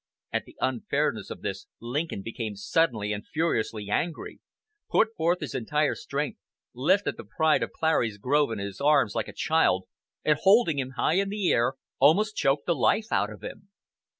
At the unfairness of this Lincoln became suddenly and furiously angry, put forth his entire strength, lifted the pride of Clary's Grove in his arms like a child, and holding him high in the air, almost choked the life out of him.